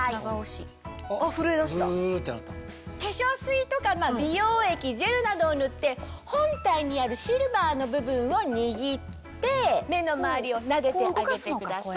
化粧水とか美容液ジェルなどを塗って本体にあるシルバーの部分を握って目の周りをなでてあげてください。